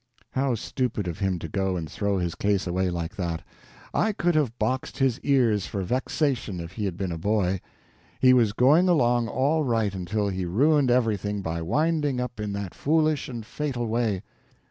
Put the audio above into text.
How stupid of him to go and throw his case away like that! I could have boxed his ears for vexation if he had been a boy. He was going along all right until he ruined everything by winding up in that foolish and fatal way.